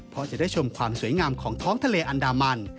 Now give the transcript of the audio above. เพราะจะได้ชมความสวยงามของท้องทะเลอันดามัน